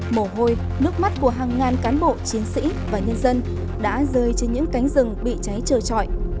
mổ hôi nước mắt của hàng ngàn cán bộ chiến sĩ và nhân dân đã rơi trên những cánh rừng bị cháy trờ trọi